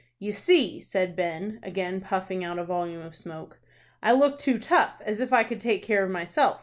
"You see," said Ben, again puffing out a volume of smoke, "I look too tough, as if I could take care of myself.